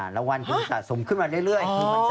รางวัลคือสะสมขึ้นมาเรื่อย